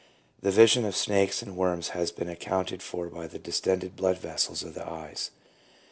The vision of snakes and worms has been accounted for by the distended blood vessels of the eyes.